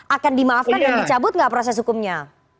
akan dimaafkan dan dicabut nggak proses hukumnya